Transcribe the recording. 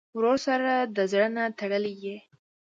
ورور سره د زړه نه تړلې یې.